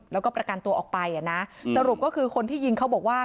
แล้วก็ประกันตัวออกไปอ่ะนะสรุปก็คือคนที่ยิงเขาบอกว่า